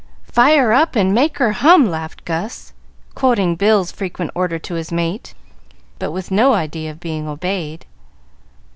"Fire up and make her hum!" laughed Gus, quoting Bill's frequent order to his mate, but with no idea of being obeyed.